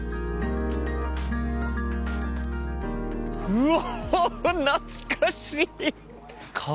うわっ懐かしい！